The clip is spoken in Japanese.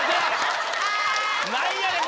何やねん！